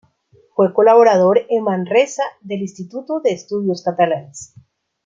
Fue colaborador, en Manresa, del Instituto de Estudios Catalanes.